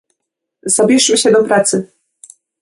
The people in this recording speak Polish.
Zabierzmy się do pracy!